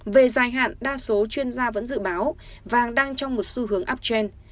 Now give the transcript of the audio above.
về dài hạn đa số chuyên gia vẫn dự báo vàng đang trong một xu hướng upchen